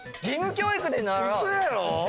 義務教育で習う⁉